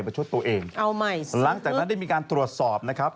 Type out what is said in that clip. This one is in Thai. มาชดตัวเองล้างจากนั้นได้มีการตรวจสอบนะครับ